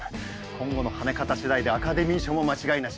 今後のハネ方次第でアカデミー賞も間違いなし。